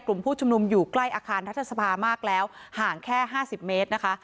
กลุ่มผู้ชุมนุมอยู่ใกล้อาคารรัฐสภามากแล้วห่างแค่๕๐เมตรนะคะ